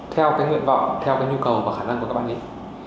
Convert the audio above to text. theo cái nguyện vọng theo cái nhu cầu và khả năng của các bạn ấy